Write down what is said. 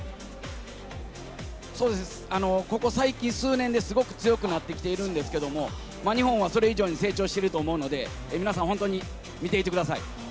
そうですね、ここ最近、数年ですごく強くなってきているんですけれども、日本はそれ以上に成長してると思うので、皆さん、本当に見ていてください。